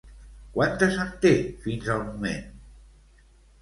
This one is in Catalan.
Quantes en té, fins al moment?